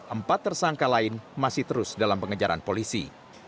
empat tersangka lain masih terus dalam pengejaran polisi